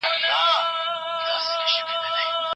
ولي د اوسنۍ شېبې ارزښت د ذهني سکون لامل دی؟